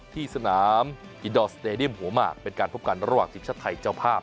ที่สนามยินดอลสเตดิมหัวมากเป็นการพบกันที่ชั้นไทยเจ้าภาพ